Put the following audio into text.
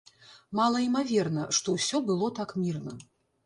Малаімаверна, што ўсё было так мірна.